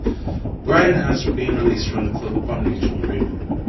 Bryan has been released from the club upon mutual agreement.